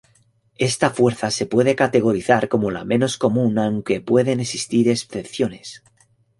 Esta fuerza se puede categorizar como la menos común aunque pueden existir excepciones.